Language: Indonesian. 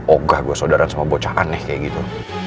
ogah gue saudara sama bocah aneh kayak gitu